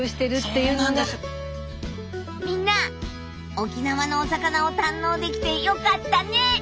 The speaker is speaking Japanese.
みんな沖縄のお魚を堪能できてよかったね！